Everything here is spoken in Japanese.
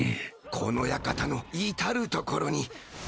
この館の至る所に。